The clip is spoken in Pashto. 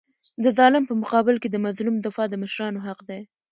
د ظالم په مقابل کي د مظلوم دفاع د مشرانو حق دی.